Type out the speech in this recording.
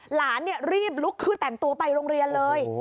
หลานรีบลุกคือแต่งตัวไปโรงเรียนเลย